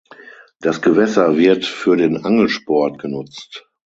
Das Gewässer wird für den Angelsport genutzt.